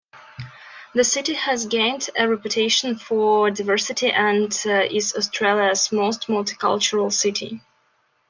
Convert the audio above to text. The city has gained a reputation for diversity and is Australia's most multicultural city.